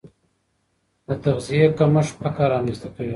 د تغذیې کمښت فقر رامنځته کوي.